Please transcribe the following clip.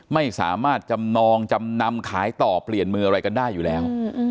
ไม่สามารถจำนองจำนำขายต่อเปลี่ยนมืออะไรกันได้อยู่แล้ว